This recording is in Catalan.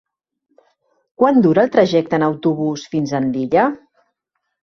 Quant dura el trajecte en autobús fins a Andilla?